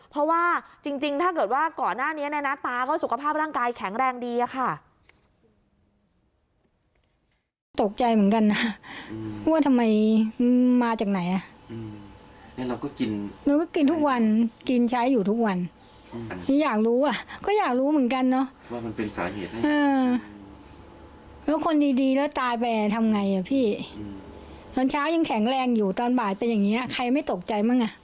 เพราะว่าจริงถ้าเกิดว่าก่อนหน้านี้นะตาก็สุขภาพร่างกายแข็งแรงดีอะค่ะ